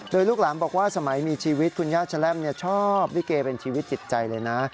โดยลูกหลานบอกว่าสมัยมีชีวิตคุณย่าแชล่มชอบลิเกเป็นชีวิตจิตใจเลยนะ